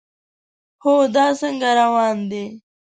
هو، دا څنګه روان دی؟